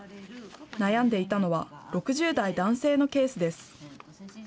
悩んでいたのは、６０代男性のケースです。